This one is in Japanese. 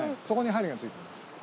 そこに針がついてます。